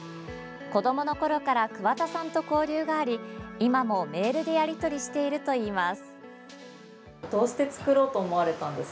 子どものころから桑田さんと交流があり今もメールでやりとりしているといいます。